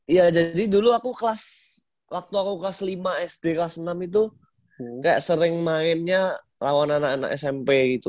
ya jadi dulu aku kelas waktu aku kelas lima sd kelas enam itu gak sering mainnya lawan anak anak smp gitu